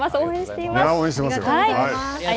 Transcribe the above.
応援しています。